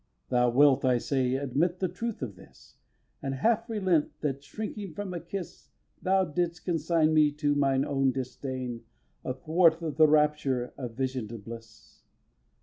Thou wilt, I say, admit the truth of this, And half relent that, shrinking from a kiss, Thou didst consign me to mine own disdain, Athwart the raptures of a vision'd bliss.